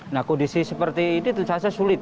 nah kondisi seperti ini tentu saja sulit